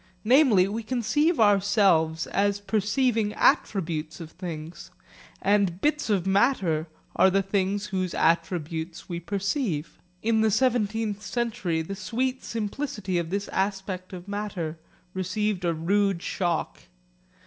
Namely we conceive ourselves as perceiving attributes of things, and bits of matter are the things whose attributes we perceive. In the seventeenth century the sweet simplicity of this aspect of matter received a rude shock.